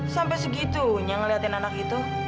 sampai segitunya ngeliatin anak itu